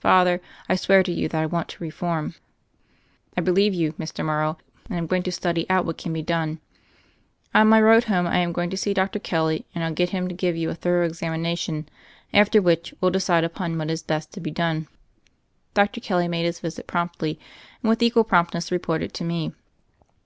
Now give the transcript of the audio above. Father, I swear to you that I want to reform." "I believe you, Mr. Morrow, and I'm going to study out what can be done. On my road home I am going to see Dr. Kelly, and I'll get him to give you a thorough examination, after which we'll decide upon what is best to be done." Dr. Kelly made his visit promptly and with equal promptness reported to me.